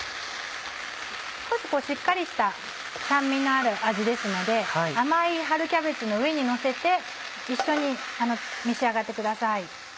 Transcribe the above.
少ししっかりした酸味のある味ですので甘い春キャベツの上にのせて一緒に召し上がってください。